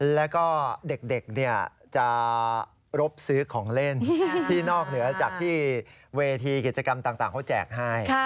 แล้วก็เด็กจะรบซื้อของเล่นที่นอกเหนือจากที่เวทีกิจกรรมต่างเขาแจกให้